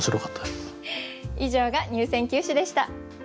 以上が入選九首でした。